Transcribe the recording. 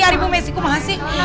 ari bu messi kumahasih